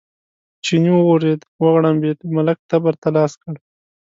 چیني وغورېد، وغړمبېد، ملک تبر ته لاس کړ.